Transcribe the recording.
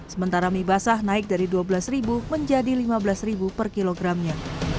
sementara mie basah naik dari dua belas ribu menjadi lima belas ribu per kilogramnya